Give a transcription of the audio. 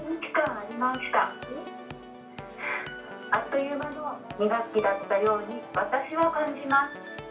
あっという間の２学期だったように、私は感じます。